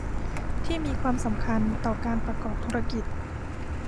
ที่มีความสำคัญต่อการประกอบธุรกิจ